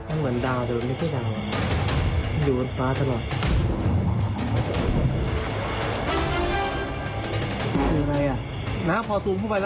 อุ้ยเหนือมือบับมือบับเหลือ